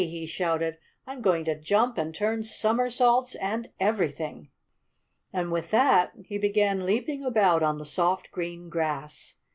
he shouted. "I'm going to jump and turn somersaults and everything." And with that he began leaping about on the soft, green grass.